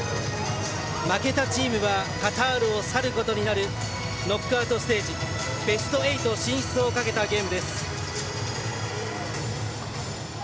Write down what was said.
負けたチームはカタールを去ることになるノックアウトステージベスト８進出をかけたゲームです。